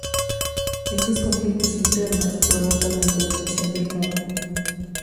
Estos conflictos internos provocan la intervención del Papa.